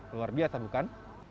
luar biasa bukan